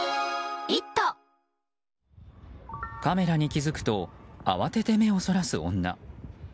カメラに気付くと慌てて目をそらす女。